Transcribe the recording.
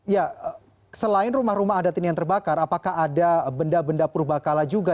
ya selain rumah rumah adat ini yang terbakar apakah ada benda benda purba kala juga